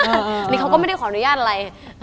อันนี้เขาก็ไม่ได้ขออนุญาตอะไร